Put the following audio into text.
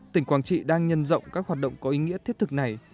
tỉnh quảng trị đang nhân rộng các hoạt động có ý nghĩa thiết thực này